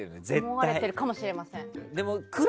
思われてるかもしれません。